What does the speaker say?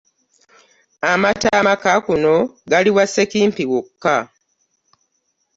Amata amaka kuno gali wa Ssekimpi wokka.